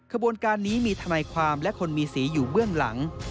ขบวนการนี้มีทนายความและคนมีสีอยู่เบื้องหลัง